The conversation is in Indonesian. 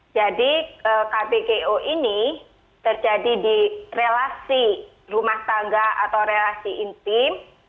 jadi kpgo ini terjadi di relasi rumah tangga atau relasi intim